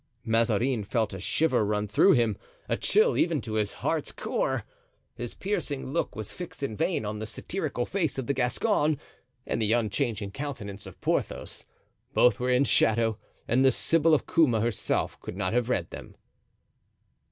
Mazarin felt a shiver run through him—a chill even to his heart's core. His piercing look was fixed in vain on the satirical face of the Gascon and the unchanging countenance of Porthos. Both were in shadow and the Sybil of Cuma herself could not have read them.